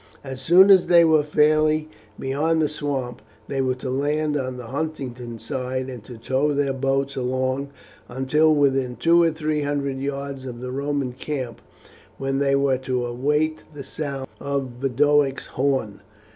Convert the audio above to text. As soon as they were fairly beyond the swamp, they were to land on the Huntingdon side, and to tow their boats along until within two or three hundred yards of the Roman camp, when they were to await the sound of Boduoc's horn.